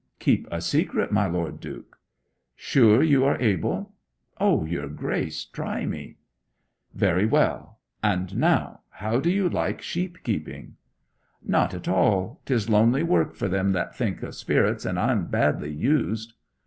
'Keep a secret, my Lord Duke!' 'Sure you are able?' 'O, your Grace, try me!' 'Very well. And now, how do you like sheep keeping?' 'Not at all. 'Tis lonely work for them that think of spirits, and I'm badly used.'